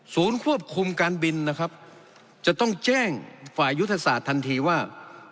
ศูนย์ควบคุมการบินจะต้องแจ้งฝ่ายศาสตร์ทันทีว่า